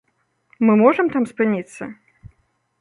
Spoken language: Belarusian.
Мы можа там спыніцца?